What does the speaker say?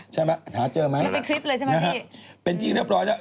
ใช่ไหมหาเจอไหมเป็นที่เรียบร้อยแล้ว